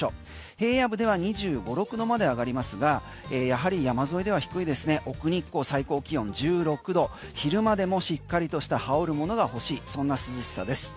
平野部では２５６度まで上がりますがやはり山沿いでは低い奥日光、最高気温１６度昼間でもしっかりとした羽織る物が欲しいそんな涼しさです。